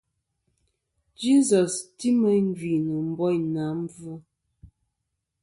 Jesus ti meyn gvì nɨ̀ ibayni a mbvɨ.